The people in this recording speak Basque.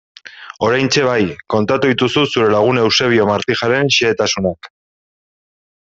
Oraintxe bai, kontatu dituzu zure lagun Eusebio Martijaren xehetasunak...